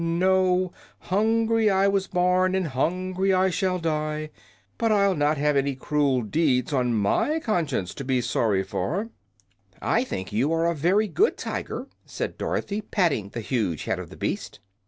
No; hungry I was born, and hungry I shall die. But I'll not have any cruel deeds on my conscience to be sorry for." "I think you are a very good tiger," said Dorothy, patting the huge head of the beast.